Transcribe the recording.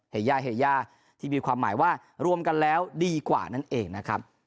อย่าเฮย่าที่มีความหมายว่ารวมกันแล้วดีกว่านั่นเองนะครับ